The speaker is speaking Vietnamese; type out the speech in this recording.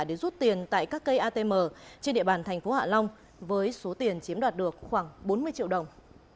để rút tiền tại các cây atm trên địa bàn thành phố hạ long với số tiền chiếm đoạt được khoảng bốn mươi triệu đồng